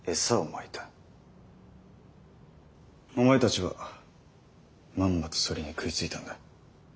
お前たちはまんまとそれに食いついたんだ。